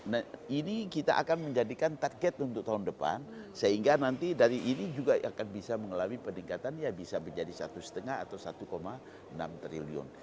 nah ini kita akan menjadikan target untuk tahun depan sehingga nanti dari ini juga akan bisa mengalami peningkatan ya bisa menjadi satu lima atau satu enam triliun